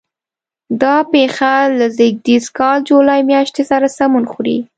دا پېښه له زېږدیز کال جولای میاشتې سره سمون خوري.